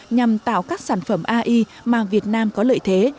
nhằm tạo các sản phẩm ai mà việt nam có lợi thế